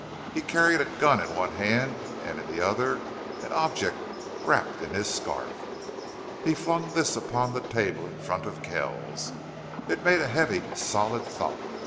He carried a gun in one hand and in the other an object wrapped in his scarf. He flung this upon the table in front of Kells. It made a heavy, solid thump.